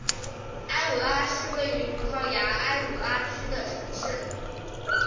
埃武拉是位于葡萄牙埃武拉区的城市。